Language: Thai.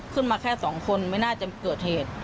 ขึ้นมาแค่สองคนไม่น่าจะเกิดเหตุ